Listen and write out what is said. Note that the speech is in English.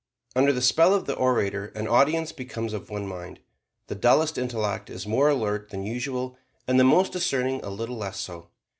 Under the spell of the orator an audience becomes of one mind: the dullest intellect is more alert than usual and the most discerning a little less so.